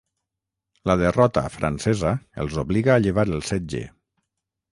La derrota francesa els obliga a llevar el setge.